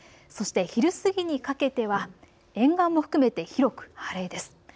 そして昼過ぎにかけては沿岸も含めて広く晴れです。